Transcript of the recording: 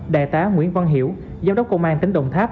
đại tá nguyễn văn hiểu giám đốc công an tỉnh đồng tháp